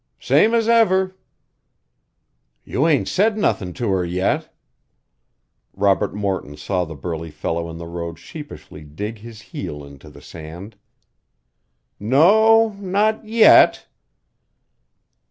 "Same as ever." "You ain't said nothin' to her yet?" Robert Morton saw the burly fellow in the road sheepishly dig his heel into the sand. "N o, not yet."